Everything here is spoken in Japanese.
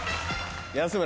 安村。